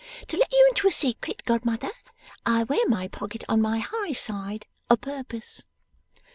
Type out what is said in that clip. To let you into a secret, godmother, I wear my pocket on my high side, o' purpose.